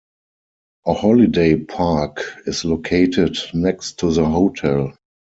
A holiday park is located next to the hotel.